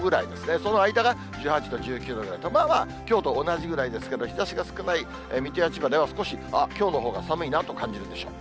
その間が１８度、１９度で、まあまあ、きょうと同じぐらいですけど、日ざしが少ない水戸や千葉では、少し、あっ、きょうのほうが寒いなと感じるでしょう。